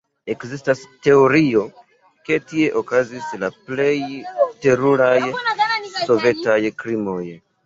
Ekzistas teorio, ke tie okazis la plej teruraj sovetaj krimoj.